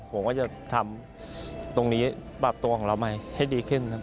ผมก็จะทำตรงนี้ปรับตัวของเราใหม่ให้ดีขึ้นครับ